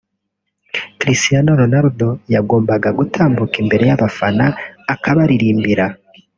Cristiano Ronaldo yagombaga gutambuka imbere y’abafana akabaririmbira